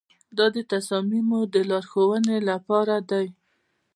دا د تصامیمو د لارښوونې لپاره دی.